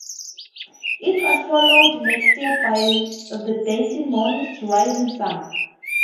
It was followed the next year by the Des Moines "Rising Son".